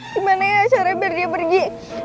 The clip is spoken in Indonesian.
gimana ya caranya biar dia pergi